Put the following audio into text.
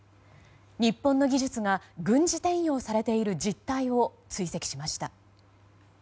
日本の技術が軍事転用されている実態を追跡しました。